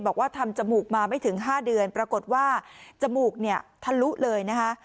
บอกว่าทำจมูกมาไม่ถึง๕เดือนปรากฏว่าจมูกเนี่ยทะลุเลยนะคะ